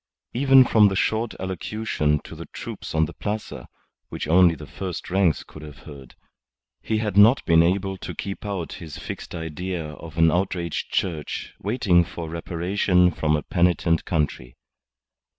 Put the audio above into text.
Even from the short allocution to the troops on the Plaza (which only the first ranks could have heard) he had not been able to keep out his fixed idea of an outraged Church waiting for reparation from a penitent country.